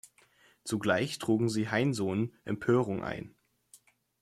Zugleich trugen sie Heinsohn Empörung ein.